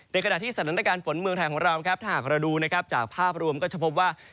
ขณะที่สถานการณ์ฝนเมืองไทยของเราครับถ้าหากเราดูนะครับจากภาพรวมก็จะพบว่า